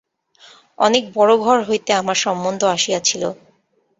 অনেক বড়ো ঘর হইতে আমার সম্বন্ধ আসিয়াছিল।